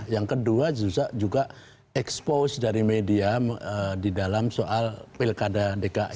yang kedua juga expose dari media di dalam soal pilkada dki